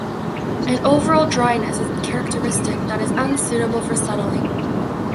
An overall dryness is characteristic that is unsuitable for settling.